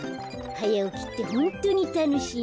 はやおきってホントにたのしいな。